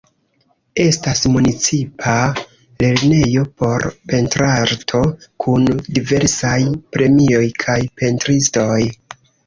Estas Municipa Lernejo por Pentrarto, kun diversaj premioj kaj pentristoj.